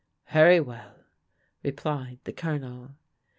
" "Very well," replied the Colonel.